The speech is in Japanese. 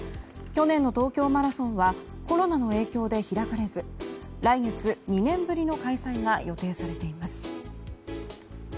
去年の東京マラソンはコロナの影響で開かれず来月、２年ぶりの開催が予定されています。